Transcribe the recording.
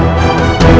aku mau pergi